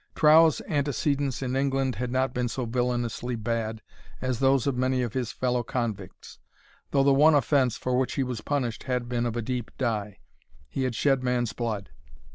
Trow's antecedents in England had not been so villanously bad as those of many of his fellow convicts, though the one offence for which he was punished had been of a deep dye: he had shed man's blood.